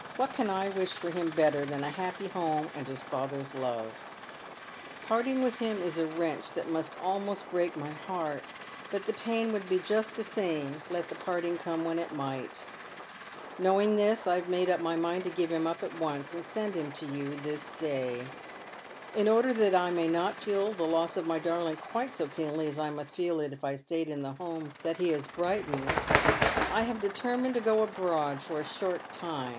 What can I wish for him better than a happy home and his father's love ? Parting with him is a wrench that must almost break my heart, but the pain would be just the same let the parting come when it might. Knowing this, I have made up my mind to give him up at once, and send him to you this day. " In order that I may not feel the loss of my darling quite so keenly as I must feel it if I stayed in the home that he has brightened, I have deteraiined to go abroad for a short time.